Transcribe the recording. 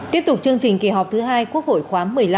tiếp tục chương trình kỳ họp thứ hai quốc hội khóa một mươi năm